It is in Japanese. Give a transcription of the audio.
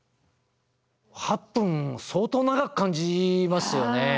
８分相当長く感じますよね。